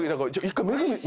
１回。